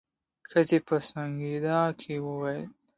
ښځې په سونګېدا کې وويل.